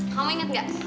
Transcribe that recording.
kamu ingat gak